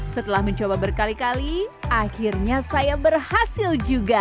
setelah mencoba berkali kali akhirnya saya berhasil juga